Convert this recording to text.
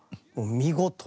見事。